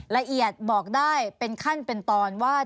ละเอียดบอกได้เป็นขั้นเป็นตอนว่า